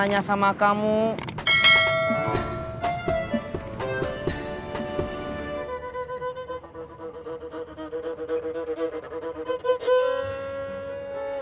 kalian bisa ngareper hormat